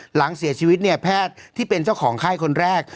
หลังเสียชีวิตเนี่ยแพทย์ที่เป็นเจ้าของไข้คนแรก